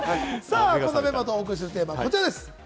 そんなメンバーとお送りするテーマはこちらです。